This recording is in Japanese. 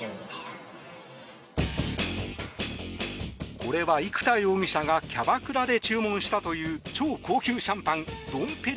これは生田容疑者がキャバクラで注文したという超高級シャンパンドンペリ